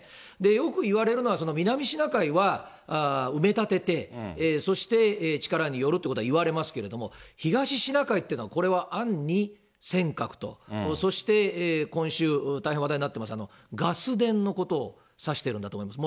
よくいわれるのは、南シナ海は埋め立てて、そして力によるってことはいわれますけれども、東シナ海っていうのは、これは暗に尖閣と、そして今週、大変話題になってます、ガス田のことを指してるんだと思います。